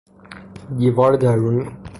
دیوار درونی